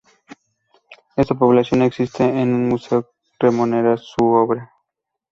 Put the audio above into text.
En esa población existe un museo que rememora su obra.